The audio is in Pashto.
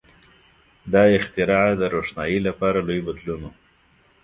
• دا اختراع د روښنایۍ لپاره لوی بدلون و.